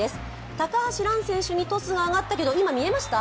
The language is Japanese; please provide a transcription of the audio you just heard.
高橋藍選手にトスが上がったけど、今見えました？